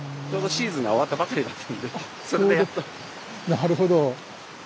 なるほど。